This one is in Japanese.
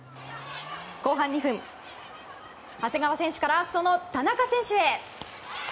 後半２分、長谷川選手からその田中選手へ。